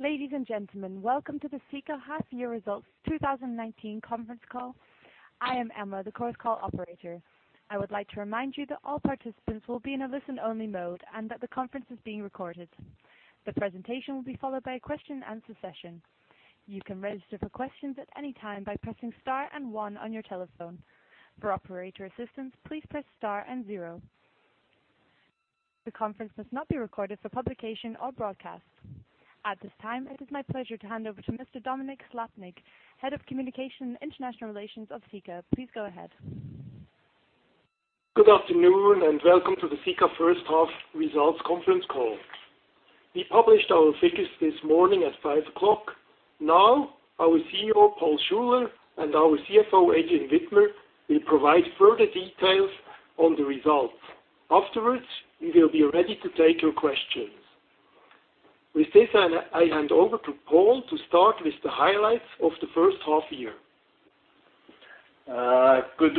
Ladies and gentlemen, welcome to the Sika Half-Year Results 2019 conference call. I am Emma, the conference call operator. I would like to remind you that all participants will be in a listen-only mode and that the conference is being recorded. The presentation will be followed by a question-and-answer session. You can register for questions at any time by pressing star and one on your telephone. For operator assistance, please press star and zero. The conference must not be recorded for publication or broadcast. At this time, it is my pleasure to hand over to Mr Dominik Slappnig, Head of Communication and International Relations of Sika. Please go ahead. Good afternoon and welcome to the Sika first half results conference call. We published our figures this morning at 5:00. Now, our CEO, Paul Schuler, and our CFO, Adrian Widmer, will provide further details on the results. Afterwards, we will be ready to take your questions. With this, I hand over to Paul to start with the highlights of the first half year. Good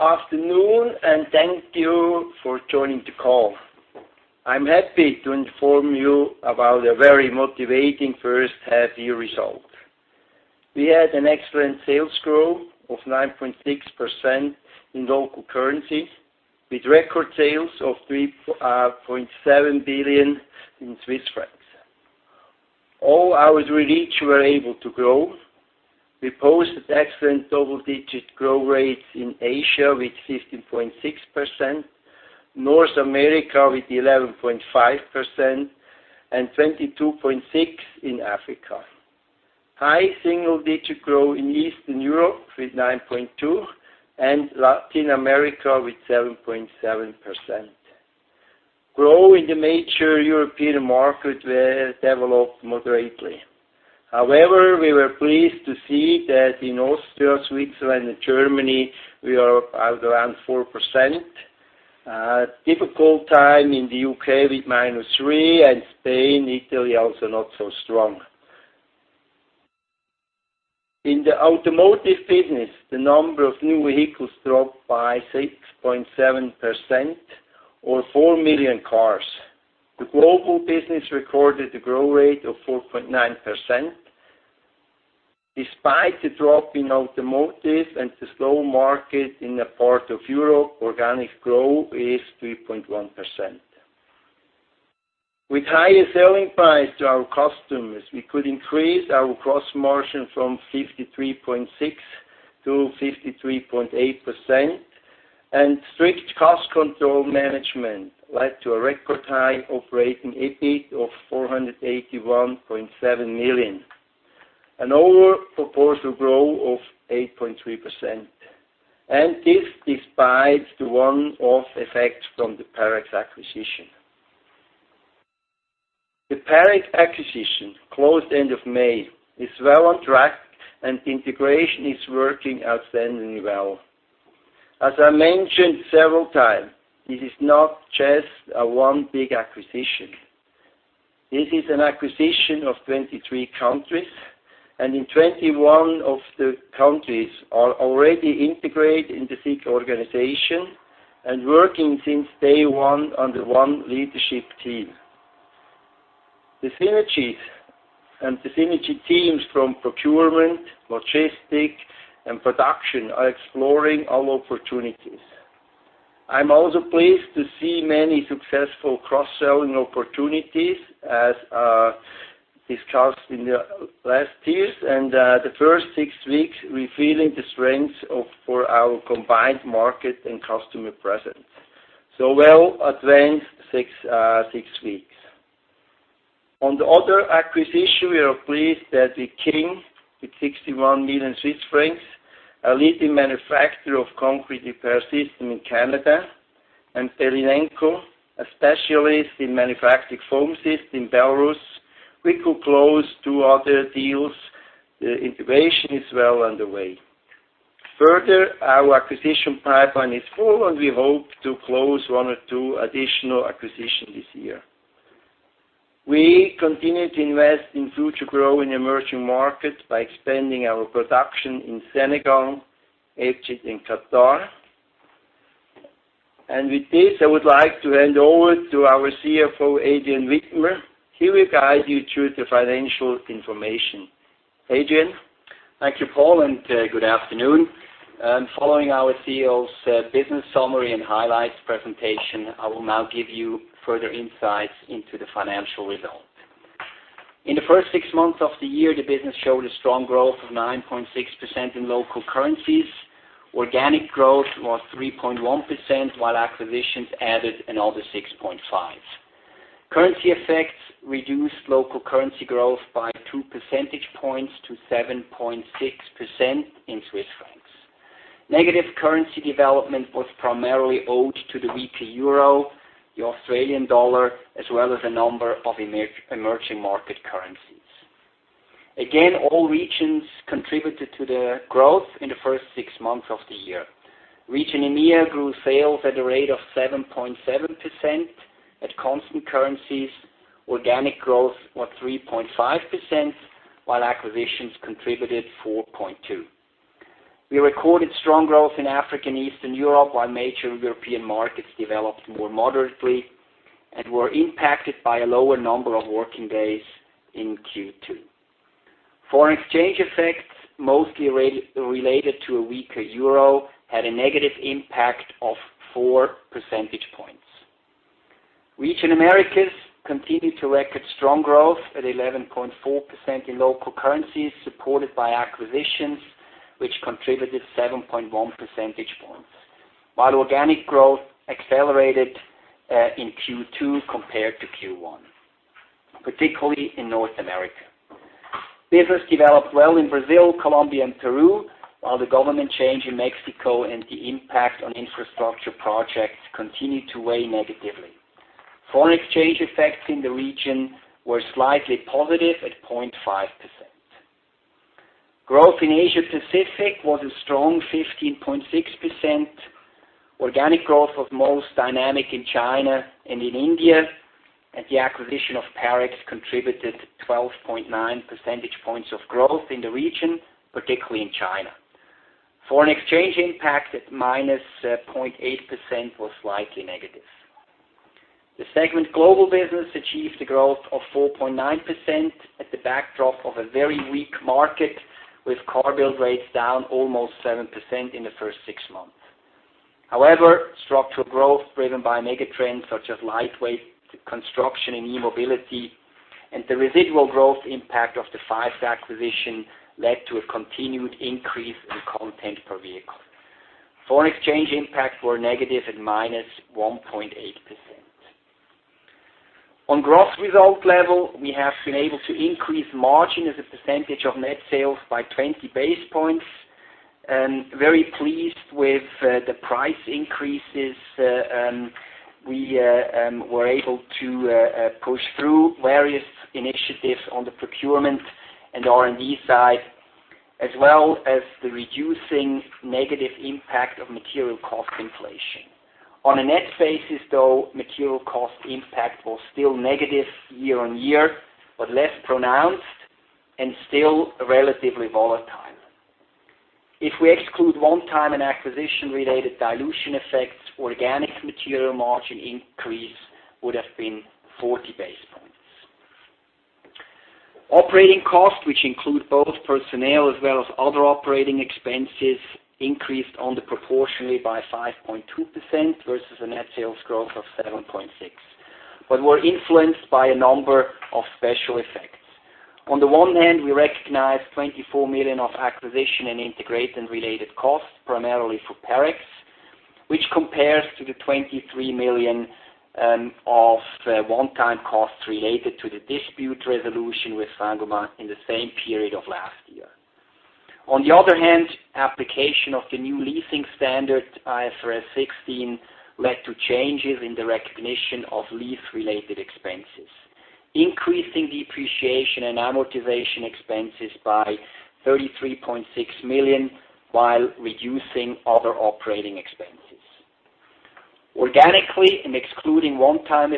afternoon and thank you for joining the call. I'm happy to inform you about a very motivating first half year result. We had an excellent sales growth of 9.6% in local currency, with record sales of 3.7 billion. All our were able to grow. We posted excellent double-digit growth rates in Asia with 15.6%, North America with 11.5%, and 22.6% in Africa. High single-digit growth in Eastern Europe with 9.2%, and Latin America with 7.7%. Growth in the major European market developed moderately. We were pleased to see that in Austria, Switzerland, and Germany, we are around 4%. A difficult time in the U.K. with -3%, and Spain, Italy also not so strong. In the automotive business, the number of new vehicles dropped by 6.7% or 4 million cars. The Global Business recorded a growth rate of 4.9%. Despite the drop in automotive and the slow market in a part of Europe, organic growth is 3.1%. With higher selling price to our customers, we could increase our gross margin from 53.6% to 53.8%, and strict cost control management led to a record high operating EBIT of 481.7 million. An overall proportional growth of 8.3%, and this despite the one-off effect from the Parex acquisition. The Parex acquisition, closed end of May, is well on track and integration is working outstandingly well. As I mentioned several times, this is not just a one big acquisition. This is an acquisition of 23 countries, and in 21 of the countries are already integrated in the Sika organization and working since day one under one leadership team. The synergy teams from procurement, logistics, and production are exploring all opportunities. I'm also pleased to see many successful cross-selling opportunities as discussed in the last years and the first six weeks, revealing the strengths for our combined market and customer presence. Well advanced six weeks. On the other acquisition, we are pleased that with King, with 61 million Swiss francs, a leading manufacturer of concrete repair system in Canada, and Belineco, a specialist in manufacturing foam system in Belarus. We could close two other deals. The integration is well underway. Further, our acquisition pipeline is full, and we hope to close one or two additional acquisitions this year. We continue to invest in future growth in emerging markets by expanding our production in Senegal, Egypt, and Qatar. With this, I would like to hand over to our CFO, Adrian Widmer. He will guide you through the financial information. Adrian? Thank you, Paul, and good afternoon. Following our CEO's business summary and highlights presentation, I will now give you further insights into the financial results. In the first six months of the year, the business showed a strong growth of 9.6% in local currencies. Organic growth was 3.1%, while acquisitions added another 6.5%. Currency effects reduced local currency growth by two percentage points to 7.6% in CHF. Negative currency development was primarily owed to the weaker EUR, the AUD, as well as a number of emerging market currencies. Again, all regions contributed to the growth in the first six months of the year. Region EMEA grew sales at a rate of 7.7% at constant currencies. Organic growth was 3.5%, while acquisitions contributed 4.2%. We recorded strong growth in Africa and Eastern Europe, while major European markets developed more moderately and were impacted by a lower number of working days in Q2. Foreign exchange effects, mostly related to a weaker euro, had a negative impact of four percentage points. Region Americas continued to record strong growth at 11.4% in local currencies, supported by acquisitions, which contributed 7.1 percentage points, while organic growth accelerated in Q2 compared to Q1, particularly in North America. Business developed well in Brazil, Colombia, and Peru, while the government change in Mexico and the impact on infrastructure projects continued to weigh negatively. Foreign exchange effects in the region were slightly positive at 0.5%. Growth in Asia-Pacific was a strong 15.6%. Organic growth was most dynamic in China and in India. The acquisition of Parex contributed 12.9 percentage points of growth in the region, particularly in China. Foreign exchange impact at -0.8% was slightly negative. The segment Global Business achieved a growth of 4.9% at the backdrop of a very weak market, with car build rates down almost 7% in the first six months. However, structural growth driven by mega trends such as Lightweight Construction and E-mobility, and the residual growth impact of the Faist acquisition led to a continued increase in content per vehicle. Foreign exchange impacts were negative at -1.8%. On gross result level, we have been able to increase margin as a percentage of net sales by 20 basis points. Very pleased with the price increases. We were able to push through various initiatives on the procurement and R&D side, as well as the reducing negative impact of material cost inflation. On a net basis, though, material cost impact was still negative year-on-year, but less pronounced and still relatively volatile. If we exclude one-time and acquisition-related dilution effects, organic material margin increase would have been 40 basis points. Operating costs, which include both personnel as well as other operating expenses, increased underproportionally by 5.2%, versus a net sales growth of 7.6%, but were influenced by a number of special effects. On the one hand, we recognized 24 million of acquisition and integration related costs, primarily for Parex, which compares to the 23 million of one-time costs related to the dispute resolution with Saint-Gobain in the same period of last year. On the other hand, application of the new leasing standard, IFRS 16, led to changes in the recognition of lease related expenses, increasing depreciation and amortization expenses by 33.6 million, while reducing other operating expenses. Organically and excluding one-time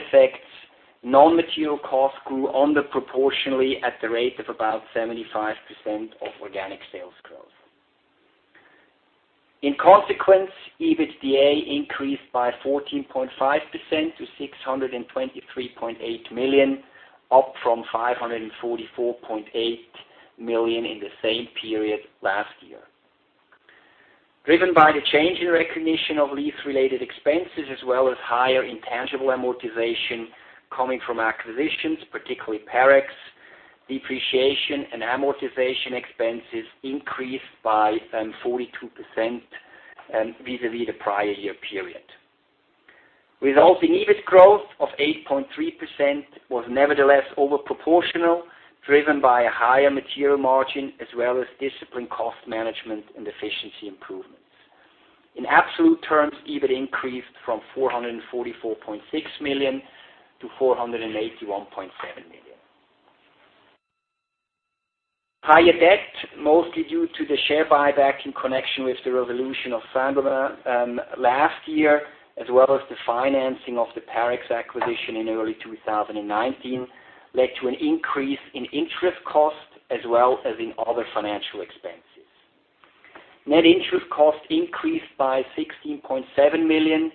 effects, non-material costs grew underproportionally at the rate of about 75% of organic sales growth. In consequence, EBITDA increased by 14.5% to 623.8 million, up from 544.8 million in the same period last year. Driven by the change in recognition of lease-related expenses, as well as higher intangible amortization coming from acquisitions, particularly Parex, depreciation and amortization expenses increased by 42% vis-à-vis the prior year period. Resulting EBIT growth of 8.3% was nevertheless over proportional, driven by a higher material margin as well as disciplined cost management and efficiency improvements. In absolute terms, EBIT increased from 444.6 million to 481.7 million. Higher debt, mostly due to the share buyback in connection with the revolution of Saint-Gobain last year, as well as the financing of the Parex acquisition in early 2019, led to an increase in interest costs as well as in other financial expenses. Net interest costs increased by 16.7 million.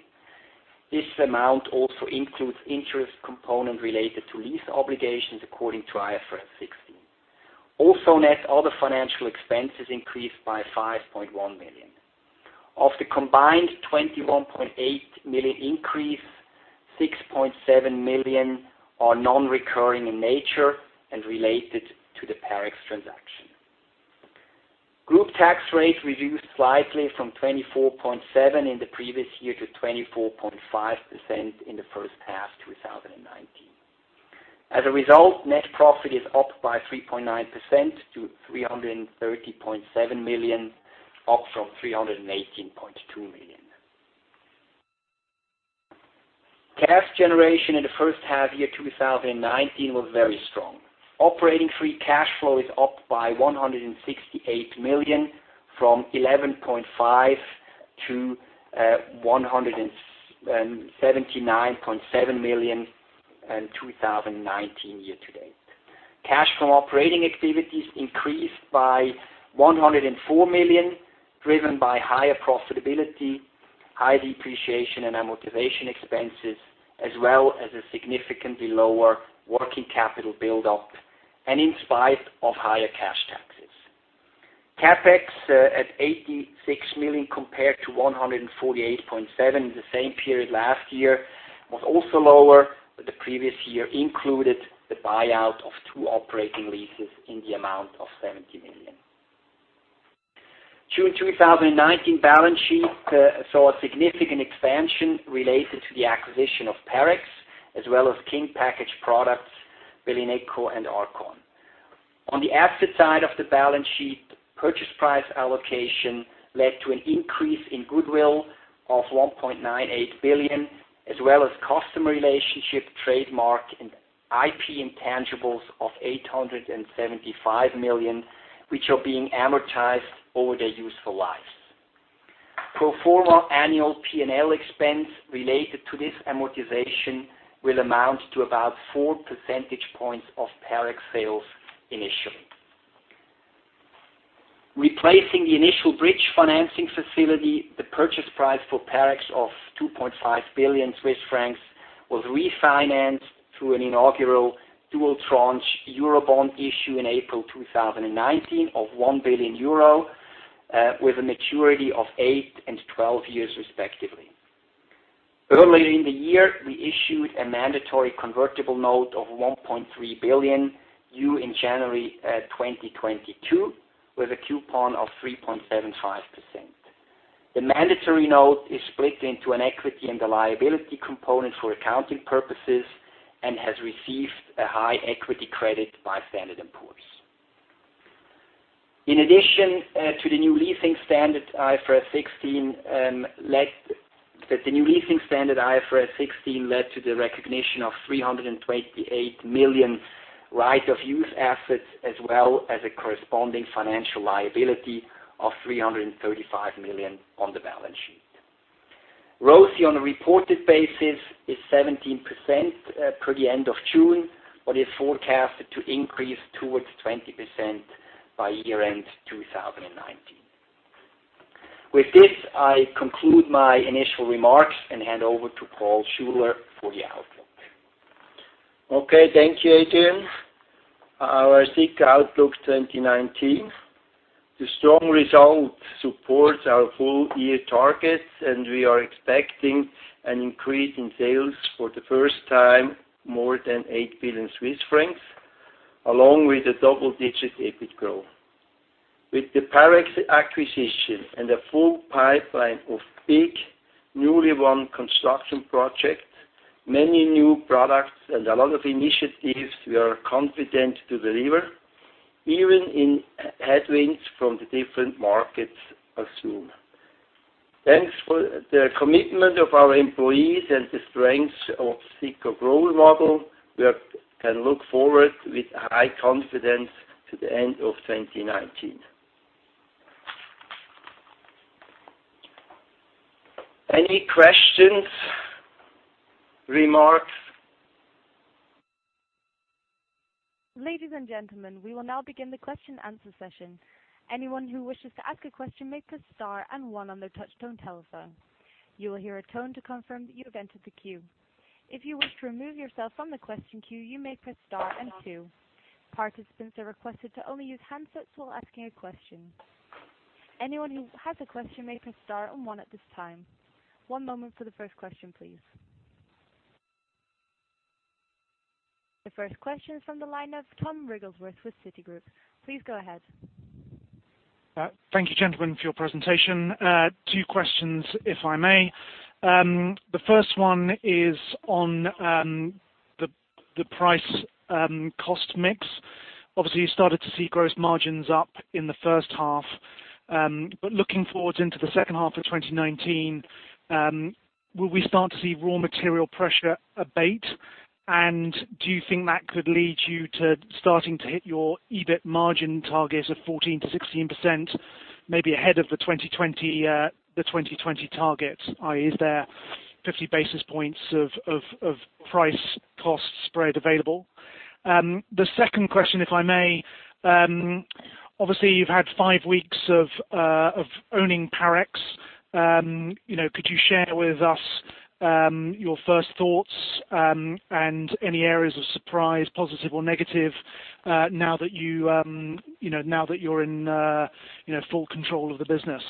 This amount also includes interest component related to lease obligations according to IFRS 16. Net other financial expenses increased by 5.1 million. Of the combined 21.8 million increase, 6.7 million are non-recurring in nature and related to the Parex transaction. Group tax rates reduced slightly from 24.7% in the previous year to 24.5% in the first half 2019. Net profit is up by 3.9% to 330.7 million, up from 318.2 million. Cash generation in the first half year 2019 was very strong. operating free cash flow is up by 168 million, from 11.5 million to 179.7 million in 2019 year to date. Cash from operating activities increased by 104 million, driven by higher profitability, high depreciation and amortization expenses, as well as a significantly lower working capital buildup, and in spite of higher cash taxes. CapEx at 86 million compared to 148.7 million in the same period last year, was also lower. The previous year included the buyout of two operating leases in the amount of 70 million. June 2019 balance sheet saw a significant expansion related to the acquisition of Parex, as well as King Packaged Materials Company, Belineco and Arcon. On the asset side of the balance sheet, purchase price allocation led to an increase in goodwill of 1.98 billion, as well as customer relationship trademark and IP intangibles of 875 million, which are being amortized over their useful lives. Pro forma annual P&L expense related to this amortization will amount to about four percentage points of Parex sales initially. Replacing the initial bridge financing facility, the purchase price for Parex of 2.5 billion Swiss francs was refinanced through an inaugural dual tranche Eurobond issue in April 2019 of 1 billion euro, with a maturity of 8 and 12 years respectively. Earlier in the year, we issued a mandatory convertible note of 1.3 billion, due in January 2022, with a coupon of 3.75%. The mandatory note is split into an equity and a liability component for accounting purposes and has received a high equity credit by Standard & Poor's. In addition to the new leasing standard, IFRS 16 led to the recognition of 328 million right of use assets, as well as a corresponding financial liability of 335 million on the balance sheet. ROCE on a reported basis is 17% per the end of June, but is forecasted to increase towards 20% by year-end 2019. With this, I conclude my initial remarks and hand over to Paul Schuler for the outlook. Okay. Thank you, Adrian. Our Sika outlook 2019. The strong results support our full-year targets. We are expecting an increase in sales for the first time more than 8 billion Swiss francs, along with a double-digit EBIT growth. With the Parex acquisition and a full pipeline of big, newly won construction projects, many new products, and a lot of initiatives, we are confident to deliver, even in headwinds from the different markets assumed. Thanks for the commitment of our employees and the strength of Sika growth model, we can look forward with high confidence to the end of 2019. Any questions, remarks? Ladies and gentlemen, we will now begin the question and answer session. Anyone who wishes to ask a question may press star and one on their touch-tone telephone. You will hear a tone to confirm that you have entered the queue. If you wish to remove yourself from the question queue, you may press star and two. Participants are requested to only use handsets while asking a question. Anyone who has a question may press star and one at this time. One moment for the first question, please. The first question is from the line of Tom Wrigglesworth with Citigroup. Please go ahead. Thank you, gentlemen, for your presentation. Two questions, if I may. The first one is on the price-cost mix. Obviously, you started to see gross margins up in the first half. Looking forward into the second half of 2019, will we start to see raw material pressure abate? Do you think that could lead you to starting to hit your EBIT margin target of 14%-16%, maybe ahead of the 2020 target, i.e., is there 50 basis points of price cost spread available? The second question, if I may. Obviously, you've had five weeks of owning Parex. Could you share with us your first thoughts and any areas of surprise, positive or negative, now that you're in full control of the business?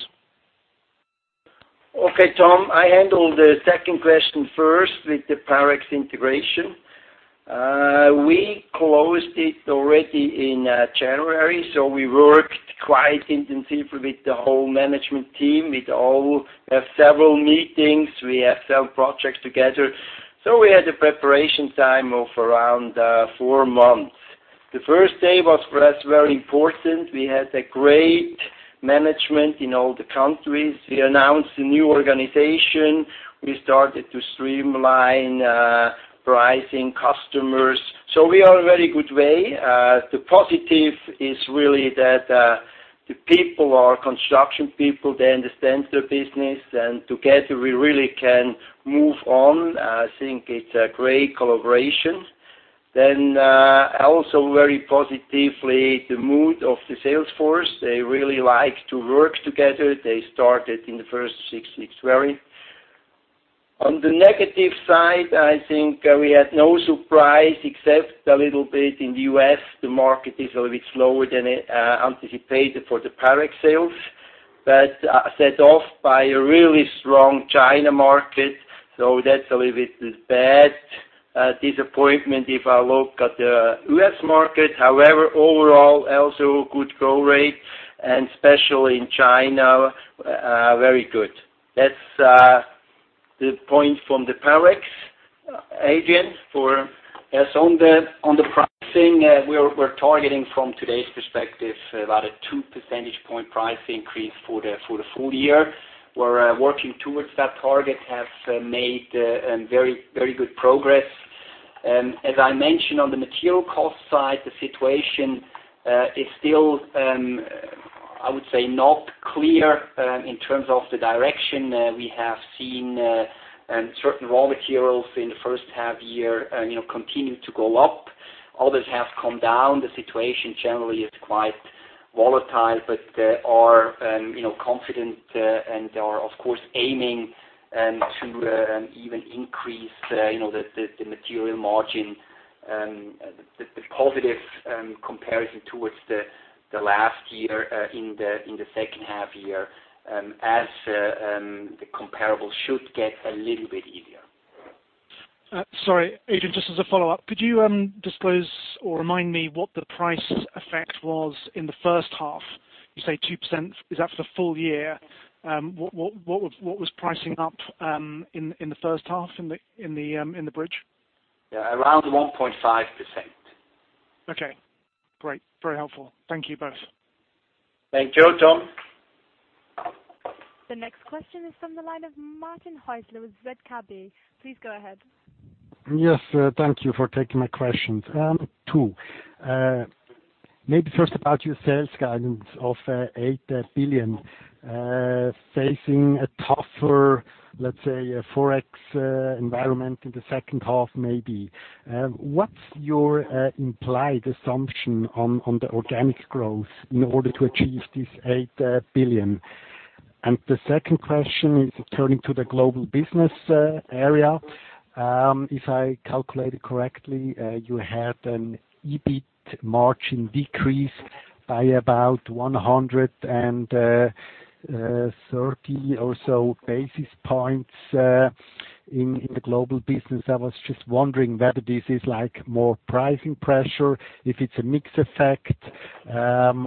Okay, Tom, I handle the second question first with the Parex integration. We closed it already in January, we worked quite intensively with the whole management team. We had several meetings. We have some projects together. We had a preparation time of around four months. The first day was for us very important. We had a great management in all the countries. We announced a new organization. We started to streamline pricing customers. We are in a very good way. The positive is really that the people are construction people. They understand their business, together we really can move on. I think it's a great collaboration. Also very positively, the mood of the sales force, they really like to work together. They started in the first six weeks very. On the negative side, I think we had no surprise except a little bit in the U.S., the market is a little bit slower than anticipated for the Parex sales, but set off by a really strong China market, so that's a little bit bad disappointment if I look at the U.S. market. Overall, also good growth rate, and especially in China, very good. That's the point from the Parex. Adrian, Yes. On the pricing, we are targeting from today's perspective, about a two percentage point price increase for the full year. We are working towards that target, have made very good progress. As I mentioned on the material cost side, the situation is still, I would say, not clear in terms of the direction. We have seen certain raw materials in the first half year continue to go up. Others have come down. The situation generally is quite volatile, but are confident and are, of course, aiming to even increase the material margin. The positive comparison towards the last year in the second half year as the comparable should get a little bit easier. Sorry, Adrian, just as a follow-up, could you disclose or remind me what the price effect was in the first half? You say 2%, is that for the full year? What was pricing up in the first half in the bridge? Around 1.5%. Okay, great. Very helpful. Thank you both. Thank you, Tom. The next question is from the line of Martin Hüsler with ZKB. Please go ahead. Yes, thank you for taking my questions. Two. First about your sales guidance of 8 billion. Facing a tougher, let's say, Forex environment in the second half. What's your implied assumption on the organic growth in order to achieve this 8 billion? The second question is turning to the Global Business area. If I calculated correctly, you had an EBIT margin decrease by about 130 or so basis points in the Global Business. I was just wondering whether this is more pricing pressure, if it's a mix effect,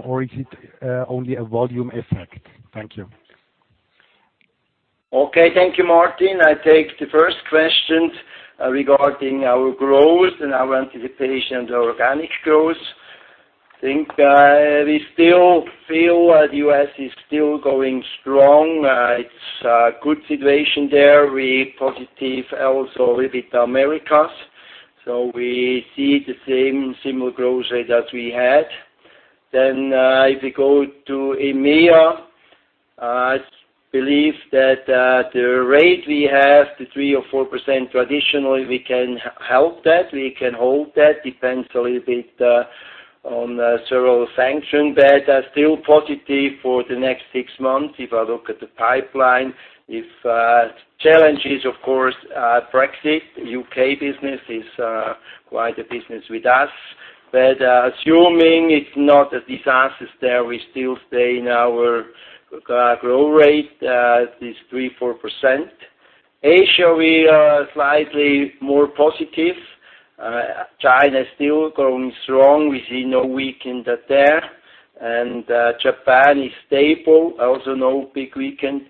or is it only a volume effect? Thank you. Okay. Thank you, Martin. I take the first question regarding our growth and our anticipation of organic growth. I think we still feel that U.S. is still going strong. It's a good situation there. We positive also a bit Americas. We see the same similar growth rate that we had. If we go to EMEA, I believe that the rate we have, the 3% or 4% traditionally, we can help that, we can hold that. Depends a little bit on several sanctions, still positive for the next six months if I look at the pipeline. If challenges, of course, Brexit, U.K. business is quite a business with us. Assuming it's not a disaster there, we still stay in our growth rate, this 3%, 4%. Asia, we are slightly more positive. China is still going strong. We see no weakened there. Japan is stable, also no big weakened.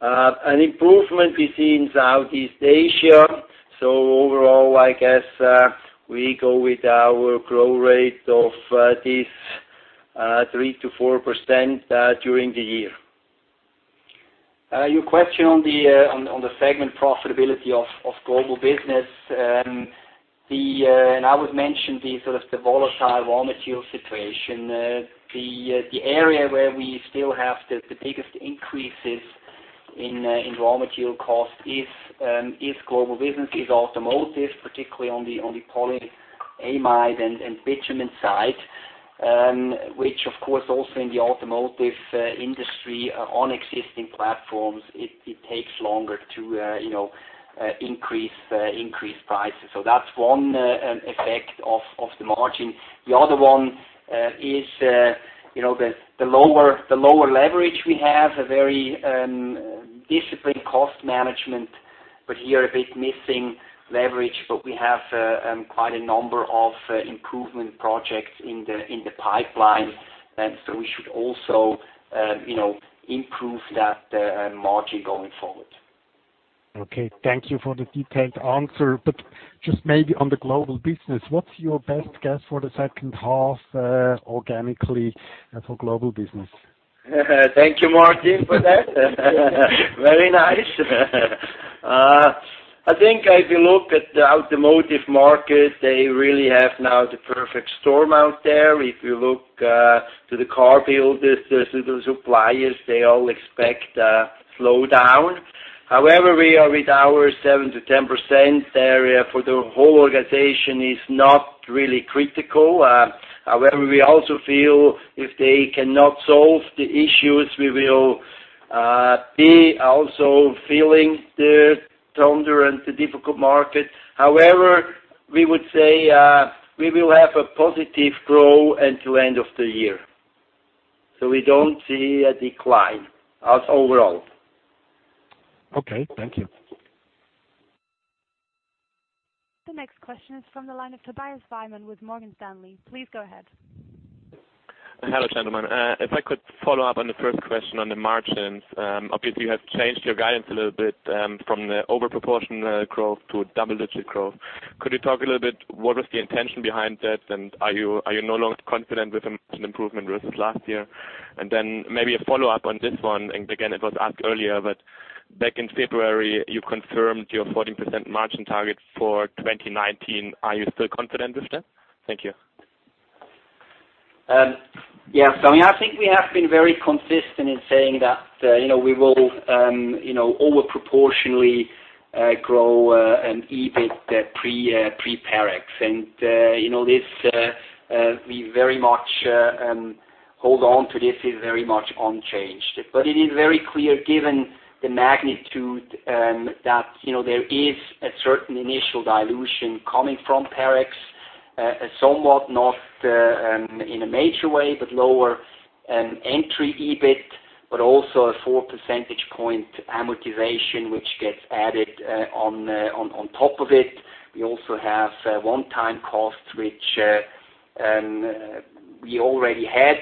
An improvement we see in Southeast Asia. Overall, I guess, we go with our growth rate of this 3%-4% during the year. Your question on the segment profitability of Global Business. I would mention the sort of the volatile raw material situation. The area where we still have the biggest increases in raw material cost is Global Business, is automotive, particularly on the polyamide and bitumen side. Which, of course, also in the automotive industry on existing platforms, it takes longer to increase prices. That's one effect of the margin. The other one is the lower leverage we have, a very disciplined cost management, but here a bit missing leverage, but we have quite a number of improvement projects in the pipeline. We should also improve that margin going forward. Okay. Thank you for the detailed answer. Just maybe on the Global Business, what's your best guess for the second half organically for Global Business? Thank you, Martin, for that. Very nice. I think if you look at the automotive market, they really have now the perfect storm out there. If you look to the car builders, the suppliers, they all expect a slowdown. We are with our 7% to 10% area for the whole organization is not really critical. We also feel if they cannot solve the issues, we will be also feeling the thunder and the difficult market. We would say we will have a positive growth until end of the year. We don't see a decline as overall. Okay, thank you. The next question is from the line of Tobias Byman with Morgan Stanley. Please go ahead. Hello, gentlemen. If I could follow up on the first question on the margins. Obviously, you have changed your guidance a little bit from the over-proportion growth to double-digit growth. Could you talk a little bit, what was the intention behind that, and are you no longer confident with the margin improvement versus last year? Then maybe a follow-up on this one, and again, it was asked earlier, but back in February, you confirmed your 14% margin target for 2019. Are you still confident with that? Thank you. I think we have been very consistent in saying that we will over-proportionally grow and EBIT pre Parex. We very much hold on to this. It is very much unchanged. It is very clear given the magnitude that there is a certain initial dilution coming from Parex, somewhat not in a major way, but lower entry EBIT, but also a four percentage point amortization, which gets added on top of it. We also have one-time costs, which we already had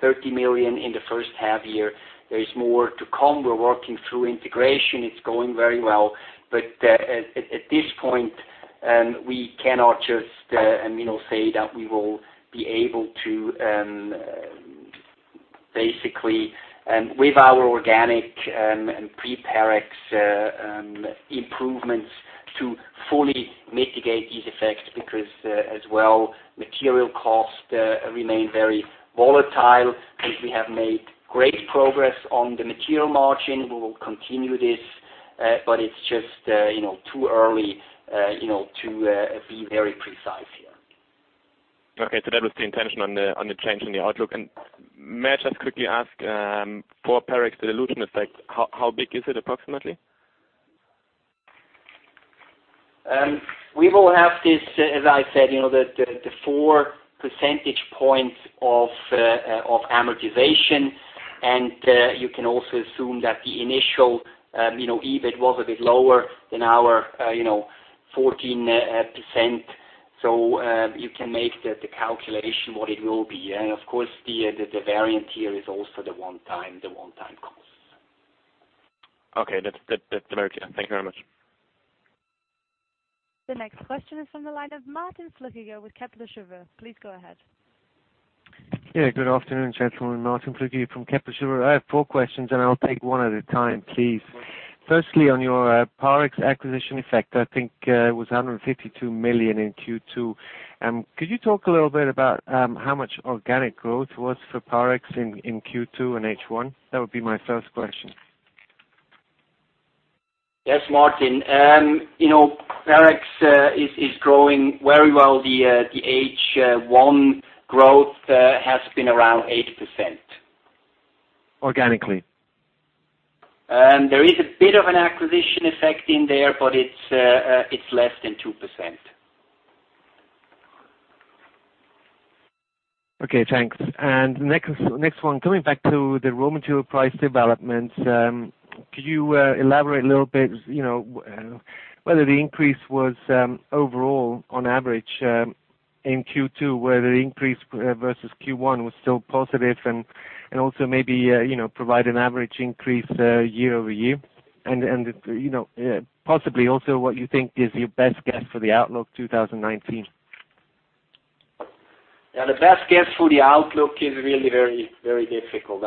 30 million in the first half year. There is more to come. We're working through integration. It's going very well. At this point, we cannot just say that we will be able to basically, with our organic and pre Parex improvements to fully mitigate these effects because as well, material costs remain very volatile. Of course, we have made great progress on the material margin. We will continue this, but it's just too early to be very precise here. Okay, that was the intention on the change in the outlook. May I just quickly ask, for Parex dilution effect, how big is it approximately? We will have this, as I said, the four percentage points of amortization, you can also assume that the initial EBIT was a bit lower than our 14%, so you can make the calculation what it will be. Of course, the variant here is also the one-time costs. Okay. That's very clear. Thank you very much. The next question is from the line of Martin Flückiger with Kepler Cheuvreux. Please go ahead. Good afternoon, gentlemen. Martin Flückiger from Kepler Cheuvreux. I have four questions. I'll take one at a time, please. Firstly, on your Parex acquisition effect, I think it was 152 million in Q2. Could you talk a little bit about how much organic growth was for Parex in Q2 and H1? That would be my first question. Yes, Martin. Parex is growing very well. The H1 growth has been around 8%. Organically. There is a bit of an acquisition effect in there, but it's less than 2%. Okay, thanks. Next one, coming back to the raw material price developments, could you elaborate a little bit whether the increase was overall on average in Q2, whether the increase versus Q1 was still positive, and also maybe provide an average increase year-over-year? Possibly also what you think is your best guess for the outlook 2019? The best guess for the outlook is really very difficult.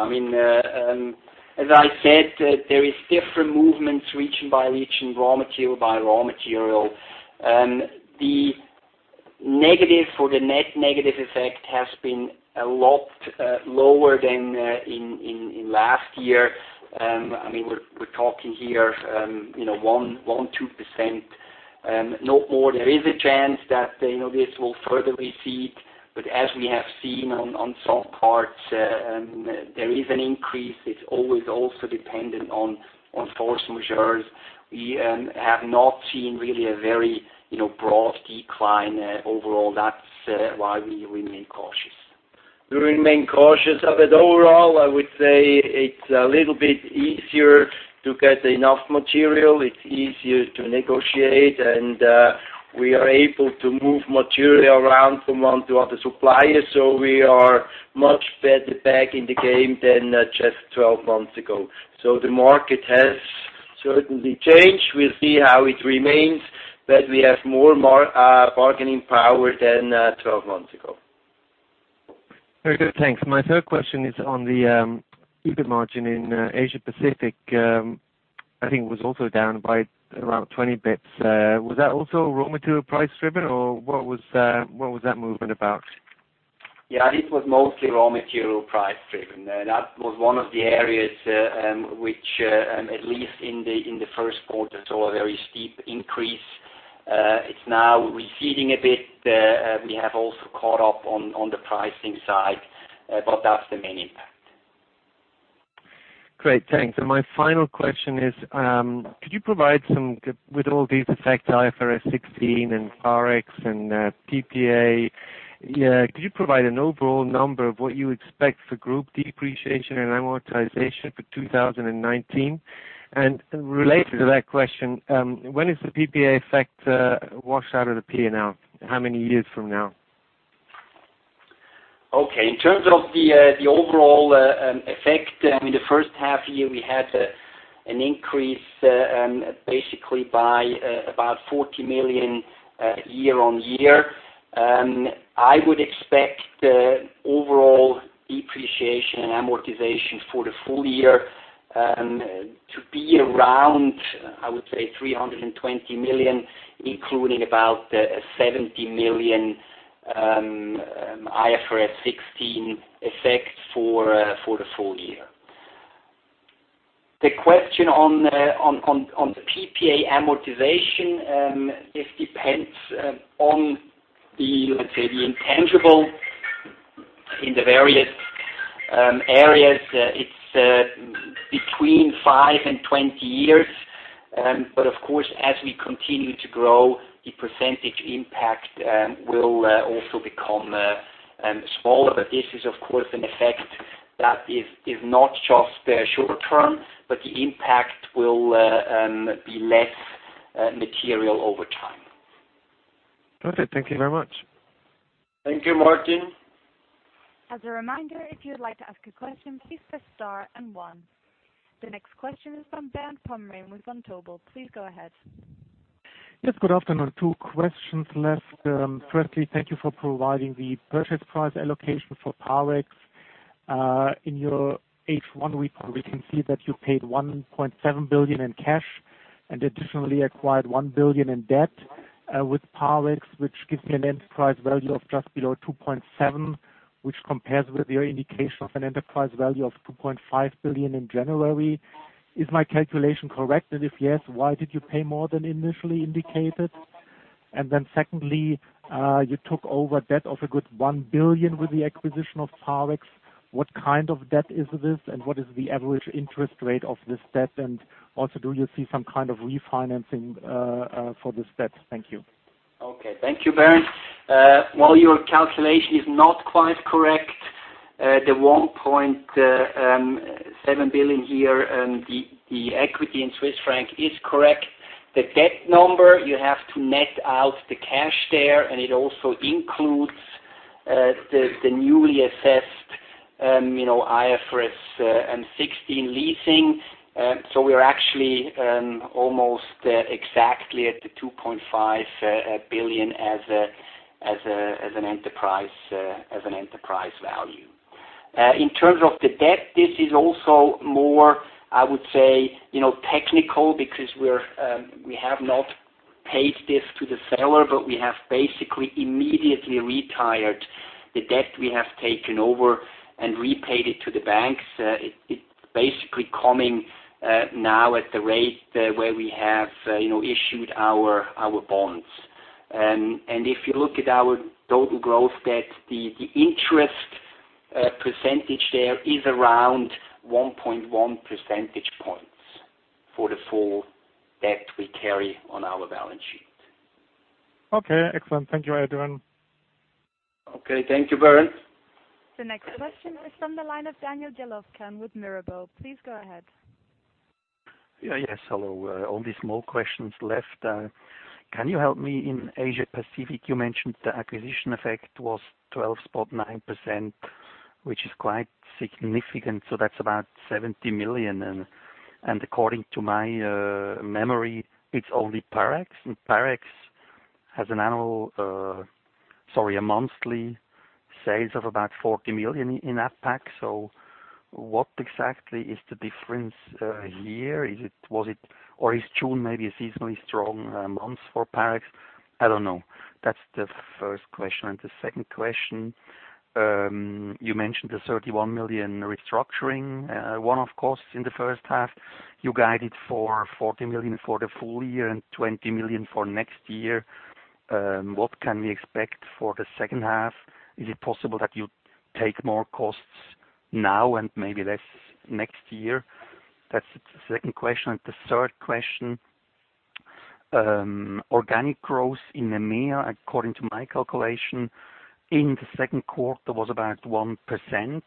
As I said, there is different movements region by region, raw material by raw material. The negative for the net negative effect has been a lot lower than in last year. We're talking here 1%, 2%, not more. There is a chance that this will further recede, but as we have seen on some parts, there is an increase. It's always also dependent on force majeure. We have not seen really a very broad decline overall. That's why we remain cautious. We remain cautious of it. Overall, I would say it's a little bit easier to get enough material. It's easier to negotiate, and we are able to move material around from one to other suppliers, so we are much better back in the game than just 12 months ago. The market has certainly changed. We'll see how it remains, but we have more bargaining power than 12 months ago. Very good. Thanks. My third question is on the EBIT margin in Asia Pacific. I think it was also down by around 20 basis points. Was that also raw material price-driven, or what was that movement about? Yeah, it was mostly raw material price-driven. That was one of the areas which, at least in the first quarter, saw a very steep increase. It's now receding a bit. We have also caught up on the pricing side, but that's the main impact. Great, thanks. My final question is, could you provide with all the effects, IFRS 16 and Parex and PPA, could you provide an overall number of what you expect for group depreciation and amortization for 2019? Related to that question, when is the PPA effect washed out of the P&L? How many years from now? In terms of the overall effect, in the first half-year, we had an increase basically by about 40 million year-on-year. I would expect the overall depreciation and amortization for the full year to be around, I would say 320 million, including about 70 million IFRS 16 effect for the full year. The question on the PPA amortization, this depends on the, let's say, the intangible in the various areas. It's between five and 20 years. Of course, as we continue to grow, the percentage impact will also become smaller. This is, of course, an effect that is not just short-term, but the impact will be less material over time. Perfect. Thank you very much. Thank you, Martin. As a reminder, if you'd like to ask a question, please press star and one. The next question is from Bernd Pomrehn with Vontobel. Please go ahead. Yes, good afternoon. Two questions left. Firstly, thank you for providing the purchase price allocation for Parex. In your H1 report, we can see that you paid 1.7 billion in cash and additionally acquired 1 billion in debt with Parex, which gives me an enterprise value of just below 2.7 billion, which compares with your indication of an enterprise value of 2.5 billion in January. Is my calculation correct? If yes, why did you pay more than initially indicated? Then secondly, you took over debt of a good 1 billion with the acquisition of Parex. What kind of debt is this, and what is the average interest rate of this debt? Also, do you see some kind of refinancing for this debt? Thank you. Okay. Thank you, Bernd. Your calculation is not quite correct. The 1.7 billion here, the equity in Swiss franc is correct. The debt number, you have to net out the cash there, and it also includes the newly assessed IFRS 16 leasing. We're actually almost exactly at the 2.5 billion as an enterprise value. In terms of the debt, this is also more, I would say, technical because we have not paid this to the seller, but we have basically immediately retired the debt we have taken over and repaid it to the banks. It's basically coming now at the rate where we have issued our bonds. If you look at our total growth debt, the interest percentage there is around 1.1 percentage points for the full debt we carry on our balance sheet. Okay, excellent. Thank you, Adrian. Okay. Thank you, Bernd. The next question is from the line of Daniel Jelovcan with Mirabaud. Please go ahead. Yes, hello. Only small questions left. Can you help me in Asia Pacific, you mentioned the acquisition effect was 12.9%, which is quite significant, so that's about 70 million. According to my memory, it's only Parex, and Parex has a monthly sales of about 40 million in APAC. What exactly is the difference here? Is June maybe a seasonally strong month for Parex? I don't know. That's the first question. The second question, you mentioned the 31 million restructuring one-off costs in the first half. You guided for 40 million for the full year and 20 million for next year. What can we expect for the second half? Is it possible that you take more costs now and maybe less next year? That's the second question. The third question, organic growth in EMEA, according to my calculation, in the second quarter was about 1%.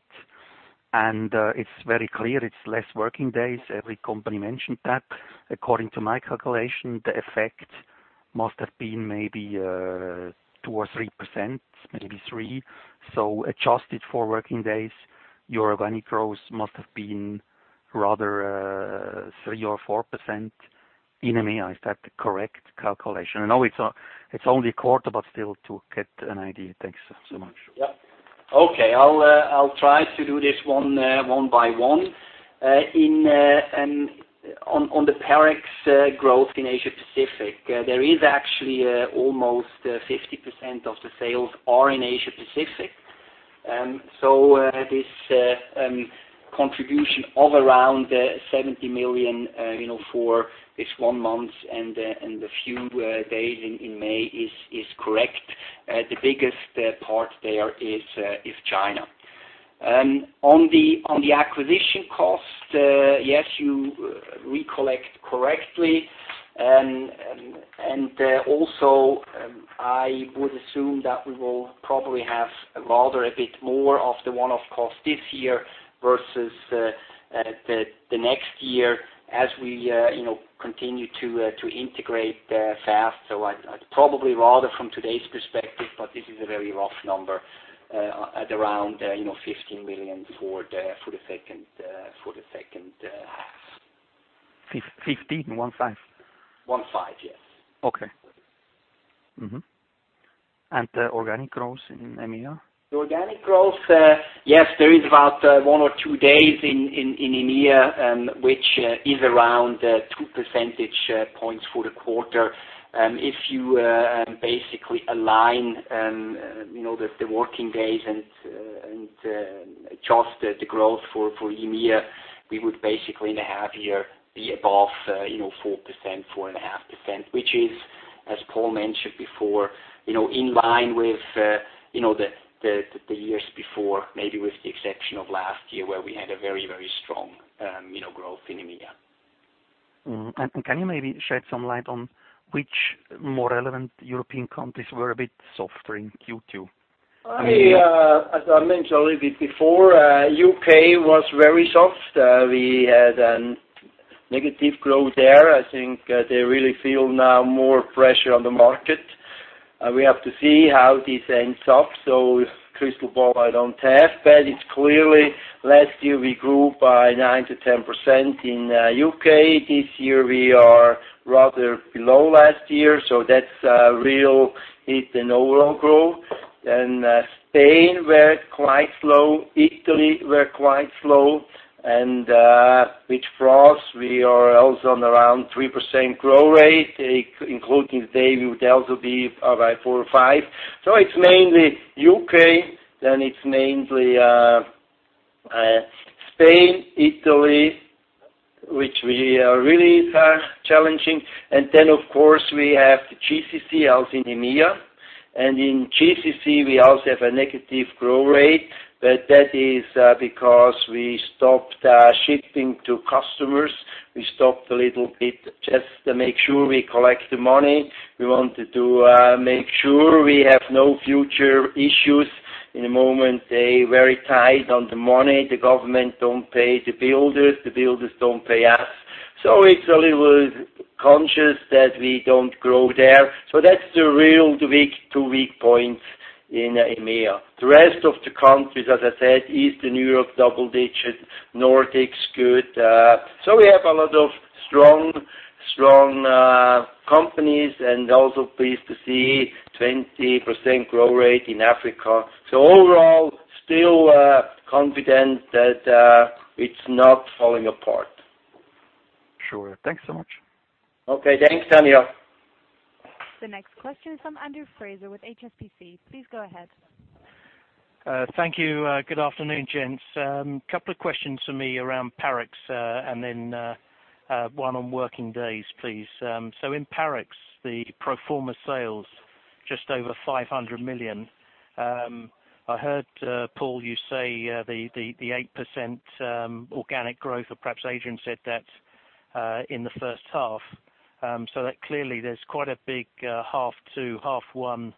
It's very clear it's less working days. Every company mentioned that. According to my calculation, the effect must have been maybe 2% or 3%, maybe 3%. Adjusted for working days, your organic growth must have been rather 3% or 4%. In EMEA, is that the correct calculation? I know it's only a quarter, but still to get an idea. Thanks so much. Yeah. Okay. I'll try to do this one by one. On the Parex growth in Asia Pacific, there is actually almost 50% of the sales are in Asia Pacific. This contribution of around 70 million for this one month and the few days in May is correct. The biggest part there is China. On the acquisition cost, yes, you recollect correctly. I would assume that we will probably have rather a bit more of the one-off cost this year versus the next year as we continue to integrate fast. I'd probably rather from today's perspective, but this is a very rough number, at around 15 million for the second half. 15? One five? 15, yes. Okay. Mm-hmm. The organic growth in EMEA? The organic growth, yes, there is about one or two days in EMEA, which is around 2 percentage points for the quarter. If you basically align the working days and adjust the growth for EMEA, we would basically in a half year be above 4%, 4.5%, which is, as Paul mentioned before, in line with the years before, maybe with the exception of last year, where we had a very strong growth in EMEA. Mm-hmm. Can you maybe shed some light on which more relevant European countries were a bit softer in Q2? As I mentioned a little bit before, U.K. was very soft. We had a negative growth there. I think they really feel now more pressure on the market. We have to see how this ends up. Crystal ball, I don't have. It's clearly last year we grew by 9%-10% in U.K. This year we are rather below last year, that's a real hit in overall growth. Spain were quite slow. Italy were quite slow. With France, we are also on around 3% growth rate, including today we would also be around four or five. It's mainly U.K., it's mainly Spain, Italy, which we are really challenged. Of course, we have the GCC also in EMEA. In GCC, we also have a negative growth rate. That is because we stopped shipping to customers. We stopped a little bit just to make sure we collect the money. We wanted to make sure we have no future issues. In the moment, they very tight on the money. The government don't pay the builders, the builders don't pay us. It's a little cautious that we don't grow there. That's the real two weak points in EMEA. The rest of the countries, as I said, Eastern Europe, double digits, Nordics, good. We have a lot of strong companies, and also pleased to see 20% growth rate in Africa. Overall, still confident that it's not falling apart. Sure. Thanks so much. Okay. Thanks, Daniel. The next question is from Andrew Fraser with HSBC. Please go ahead. Thank you. Good afternoon, gents. Couple of questions from me around Parex, then one on working days, please. In Parex, the pro forma sales, just over 500 million. I heard, Paul, you say the 8% organic growth, or perhaps Adrian said that, in the first half. That clearly there's quite a big half two, half one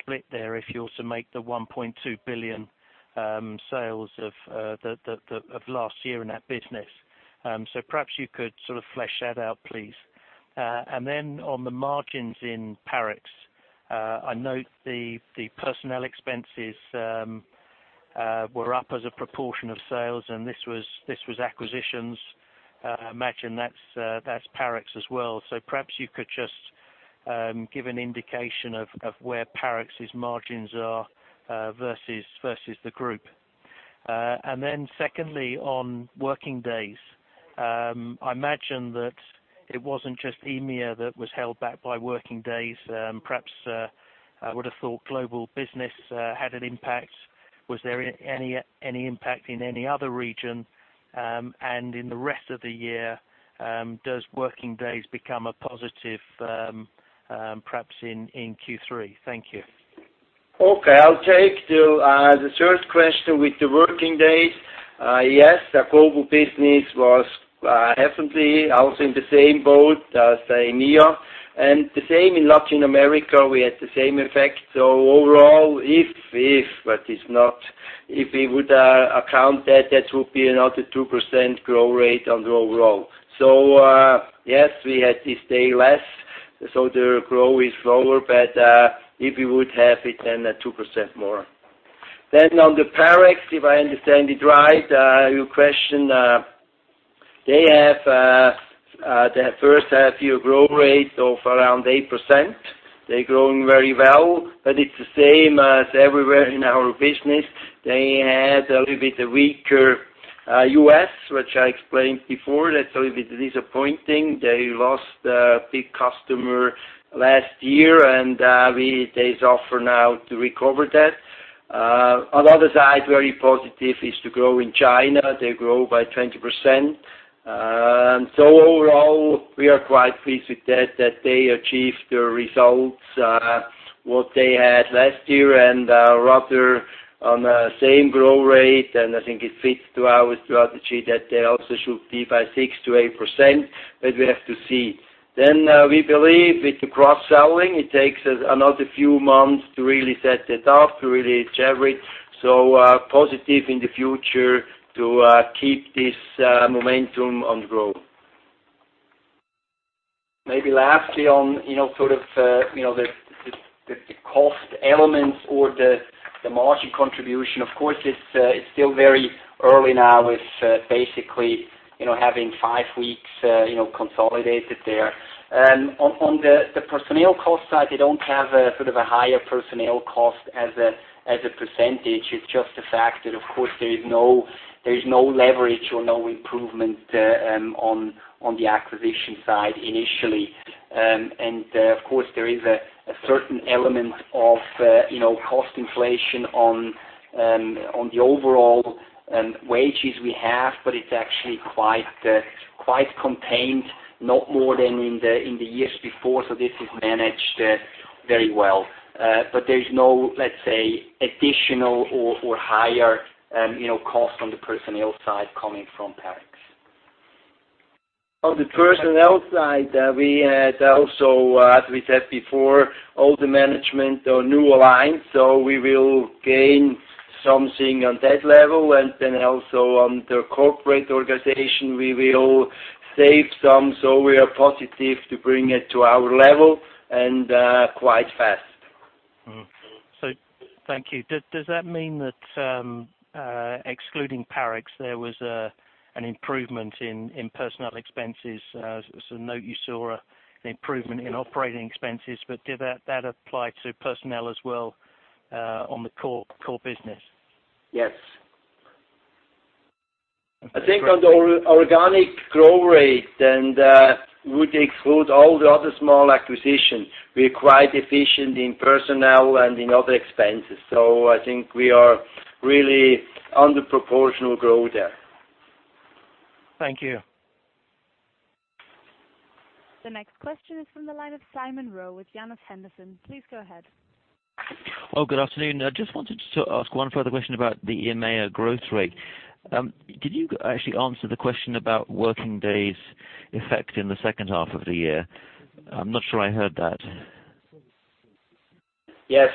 split there if you also make the 1.2 billion sales of last year in that business. Perhaps you could sort of flesh that out, please. On the margins in Parex, I note the personnel expenses were up as a proportion of sales, and this was acquisitions. I imagine that's Parex as well. Perhaps you could just give an indication of where Parex's margins are versus the group. Secondly, on working days. I imagine that it wasn't just EMEA that was held back by working days. Perhaps I would have thought Global Business had an impact. Was there any impact in any other region? In the rest of the year, does working days become a positive, perhaps in Q3? Thank you. Okay. I'll take the first question with the working days. Yes, the Global Business was definitely also in the same boat as EMEA, and the same in Latin America. We had the same effect. Overall, if we would account that would be another 2% growth rate on the overall. Yes, we had this day less, so the growth is lower. If we would have it, then a 2% more. On the Parex, if I understand your question right, they have their first half-year growth rate of around 8%. They're growing very well, but it's the same as everywhere in our business. They had a little bit weaker U.S., which I explained before. That's a little bit disappointing. They lost a big customer last year, and they struggle now to recover that. On the other side, very positive is the growth in China. They grew by 20%. Overall, we are quite pleased with that they achieved the results, what they had last year and are rather on the same growth rate. I think it fits to our strategy that they also should be by 6%-8%, but we have to see. We believe with the cross-selling, it takes us another few months to really set it up, to really leverage. Positive in the future to keep this momentum on growth. Maybe lastly on sort of the cost elements or the margin contribution. Of course, it's still very early now with basically, having five weeks consolidated there. On the personnel cost side, they don't have a sort of a higher personnel cost as a %. It's just the fact that, of course, there is no leverage or no improvement on the acquisition side initially. Of course, there is a certain element of cost inflation on the overall wages we have, but it's actually quite contained, not more than in the years before. This is managed very well. There's no, let's say, additional or higher cost on the personnel side coming from Parex. On the personnel side, we had also, as we said before, all the management are new aligned, we will gain something on that level. Also on the corporate organization, we will save some. We are positive to bring it to our level and quite fast. Thank you. Does that mean that, excluding Parex, there was an improvement in personnel expenses? As a note, you saw an improvement in operating expenses, but did that apply to personnel as well on the core business? Yes. I think on the organic growth rate would exclude all the other small acquisitions. We are quite efficient in personnel and in other expenses. I think we are really under proportional growth there. Thank you. The next question is from the line of Simon Rowe with Janus Henderson. Please go ahead. Oh, good afternoon. I just wanted to ask one further question about the EMEA growth rate. Did you actually answer the question about working days effect in the second half of the year? I'm not sure I heard that. Yes.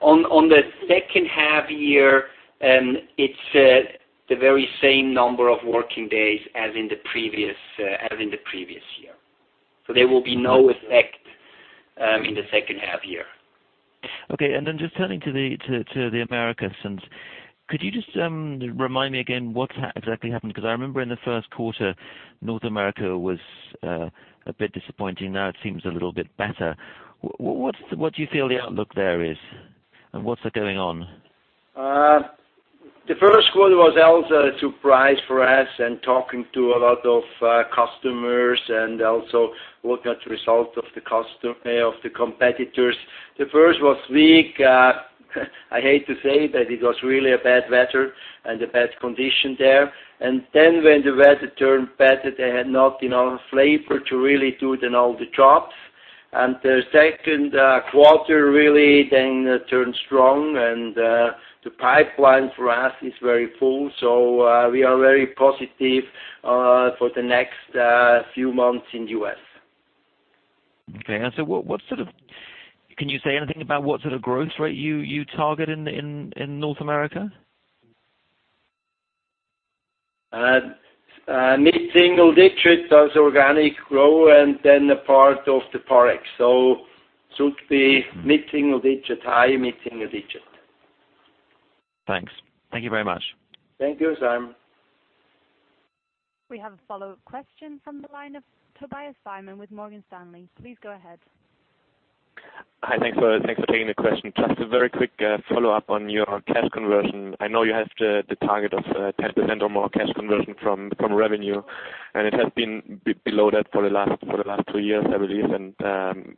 On the second half year, it's the very same number of working days as in the previous year. There will be no effect in the second half year. Okay. Just turning to the Americas, could you just remind me again what exactly happened? Because I remember in the first quarter, North America was a bit disappointing. Now it seems a little bit better. What do you feel the outlook there is, and what's going on? The first quarter was also a surprise for us, and talking to a lot of customers and also looking at the results of the competitors. The first was weak. I hate to say, but it was really a bad weather and a bad condition there. When the weather turned better, they had not enough labor to really do it in all the jobs. The second quarter really then turned strong, and the pipeline for us is very full. We are very positive for the next few months in U.S. Okay. Can you say anything about what sort of growth rate you target in North America? Mid-single digit as organic growth and then a part of the Parex. Should be mid-single digit, high mid-single digit. Thanks. Thank you very much. Thank you, Simon. We have a follow-up question from the line of Tobias Byman with Morgan Stanley. Please go ahead. Hi, thanks for taking the question. Just a very quick follow-up on your cash conversion. I know you have the target of 10% or more cash conversion from revenue, and it has been below that for the last two years, I believe, and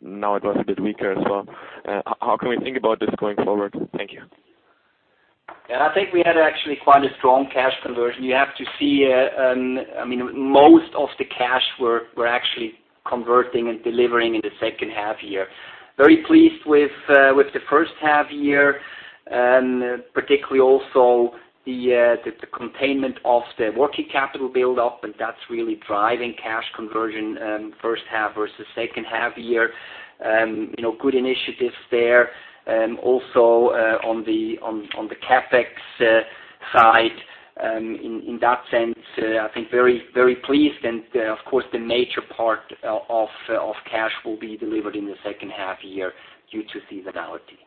now it was a bit weaker. How can we think about this going forward? Thank you. I think we had actually quite a strong cash conversion. Most of the cash we're actually converting and delivering in the second half year. Very pleased with the first half year, particularly also the containment of the working capital buildup, and that's really driving cash conversion first half versus second half year. Good initiatives there. On the CapEx side, in that sense, I think very pleased. Of course, the major part of cash will be delivered in the second half year due to seasonality.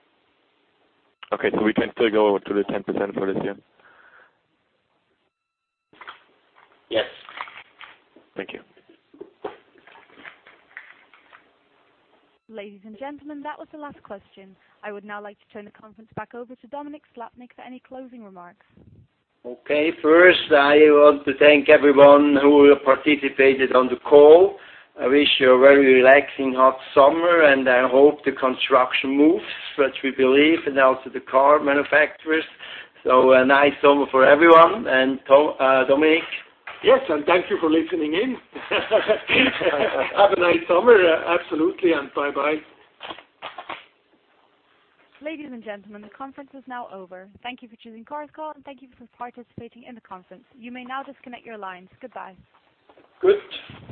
Okay. We can still go to the 10% for this year? Yes. Thank you. Ladies and gentlemen, that was the last question. I would now like to turn the conference back over to Dominik Slappnig for any closing remarks. First, I want to thank everyone who participated on the call. I wish you a very relaxing hot summer, and I hope the construction moves, which we believe, and also the car manufacturers. A nice summer for everyone, and Dominik. Yes, thank you for listening in. Have a nice summer, absolutely, bye-bye. Ladies and gentlemen, the conference is now over. Thank you for choosing Chorus Call, and thank you for participating in the conference. You may now disconnect your lines. Goodbye. Good.